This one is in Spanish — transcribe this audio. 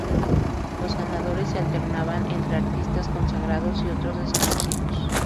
Los ganadores se alternaban entre artistas consagrados y otros desconocidos.